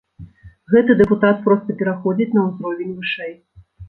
Гэты дэпутат проста пераходзіць на ўзровень вышэй.